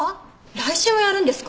来週もやるんですか？